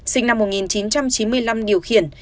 sinh năm một nghìn chín trăm chín mươi năm điều khiển